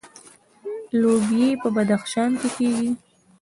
لوبیې په بدخشان کې کیږي